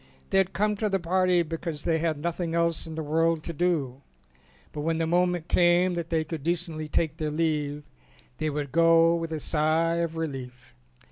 They had come to the party because they had nothing else in the world to do, but when the moment came that they could decently take their leave they would go with a sigh of relief.